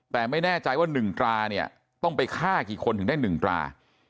แต่ไม่แน่ใจว่า๑ตราเนี่ยต้องไปฆ่ากี่คนถึงได้๑ตรา